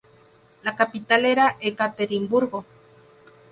La capital era Ekaterimburgo.